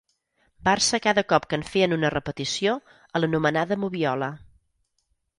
Barça cada cop que en feien una repetició, a l'anomenada Moviola.